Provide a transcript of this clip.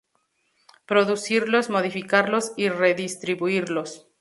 producirlos, modificarlos y redistribuirlos